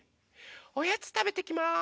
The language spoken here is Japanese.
おやつたべてきます！